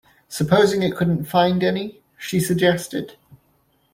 ‘Supposing it couldn’t find any?’ she suggested.